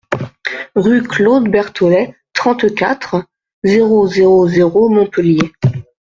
Rue Claude Berthollet, trente-quatre, zéro zéro zéro Montpellier